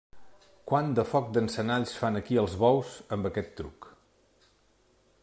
Quant de foc d'encenalls fan aquí els bous amb aquest truc!